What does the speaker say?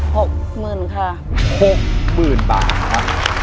หกหมื่นค่ะหกหมื่นบาทครับ